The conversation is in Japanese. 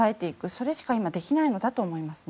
それしか今できないのだと思います。